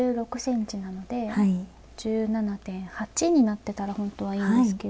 ５６ｃｍなので１７．８になってたらほんとはいいんですけど。